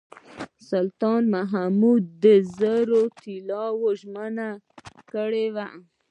سلطان محمود زر طلاوو ژمنه کړې وه.